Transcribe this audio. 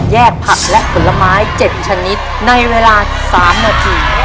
ผักและผลไม้๗ชนิดในเวลา๓นาที